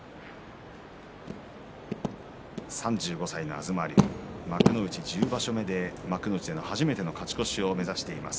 ３５歳の東龍幕内１０場所目で幕内での初めての勝ち越しを目指しています。